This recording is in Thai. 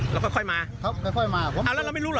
แล้วค่อยมาครับค่อยมาแล้วเราไม่รู้เหรอ